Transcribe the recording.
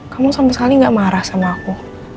kamu sama sekali gak marah sama aku